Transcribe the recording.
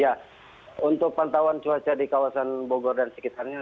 ya untuk pantauan cuaca di kawasan bogor dan sekitarnya